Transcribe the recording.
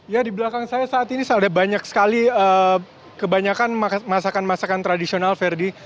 ya di belakang saya saat ini ada banyak sekali kebanyakan masakan masakan tradisional verdi